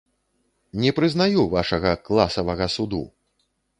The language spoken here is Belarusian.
Не прызнаю вашага класавага суду!